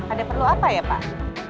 ada perlu apa ya pak